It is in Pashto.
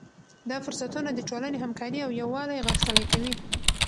دا فرصتونه د ټولنې همکاري او یووالی غښتلی کوي.